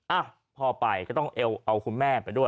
อ่ะพอไปก็ต้องเอาคุณแม่ไปด้วย